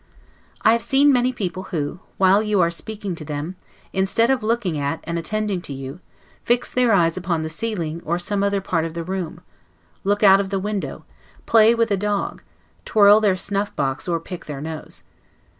I have seen many people, who, while you are speaking to them, instead of looking at, and attending to you, fix their eyes upon the ceiling or some other part of the room, look out of the window, play with a dog, twirl their snuff box, or pick their nose.